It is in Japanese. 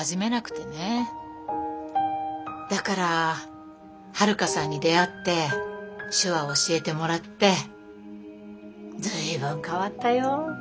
だから遥さんに出会って手話教えてもらって随分変わったよ。